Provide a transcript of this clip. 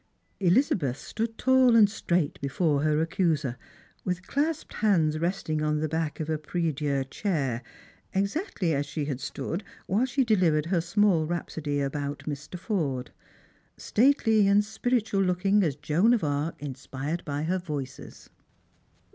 Elizabeth stood tali and straight before her accuser, with clasped hands resting on the back of a pric dieu chair, exactly as she had stood while she delivered her small rhapsody about Mr. Forde, stately and spiritual looking as Joan of Are inspired by her " voices."